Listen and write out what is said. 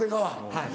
はい。